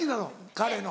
彼の。